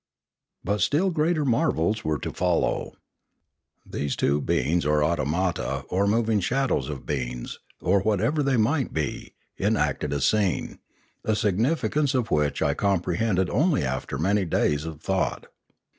But still greater marvels were to follow. These two beings or automata or moving shadows of beings, or whatever they might be, enacted a scene, the signifi cance of which I comprehended only after many days' thought.